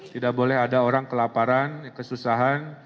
tidak boleh ada orang kelaparan kesusahan